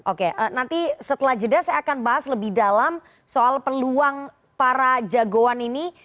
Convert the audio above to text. oke nanti setelah jeda saya akan bahas lebih dalam soal peluang para jagoan ini